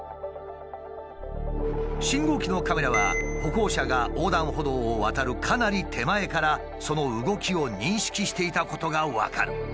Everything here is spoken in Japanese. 信号機のカメラは歩行者が横断歩道を渡るかなり手前からその動きを認識していたことが分かる。